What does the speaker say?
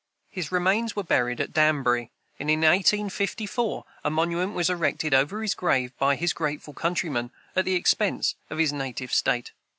His remains were buried at Danbury; and in 1854 a monument was erected over his grave by his grateful countrymen, at the expense of his native state.